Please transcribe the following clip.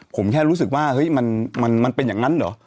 ผมแค่รู้สึกว่าเฮ้ยมันเป็นอย่างนั้นเหรอ